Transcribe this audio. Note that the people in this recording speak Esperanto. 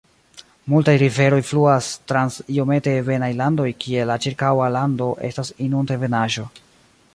Multaj riveroj fluas trans iomete ebenaj landoj kie la ĉirkaŭa lando estas inund-ebenaĵo.